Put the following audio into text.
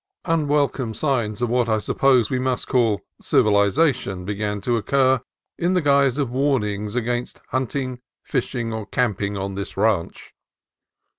Un welcome signs of what, I suppose, we must call civilization, began to occur in the guise of warnings against "hunting, fishing, or camping on this ranch."